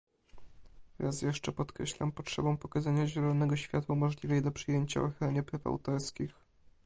Raz jeszcze podkreślam potrzebę pokazania zielonego światła możliwej do przyjęcia ochronie praw autorskich